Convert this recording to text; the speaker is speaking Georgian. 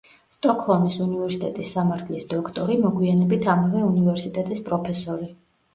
სტოკჰოლმის უნივერსიტეტის სამართლის დოქტორი, მოგვიანებით, ამავე უნივერსიტეტის პროფესორი.